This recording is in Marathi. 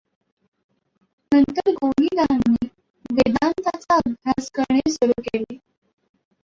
नंतर गोनीदांनी वेदान्ताचा अभ्यास करणे सुरू केले.